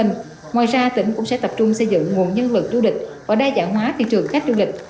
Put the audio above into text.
ngoài ra tỉnh cũng sẽ tập trung xây dựng nguồn nhân lực du lịch và đa dạng hóa thị trường khách du lịch